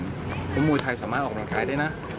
เพราะมวยไทยสามารถออกเป็นไคร้ได้นะ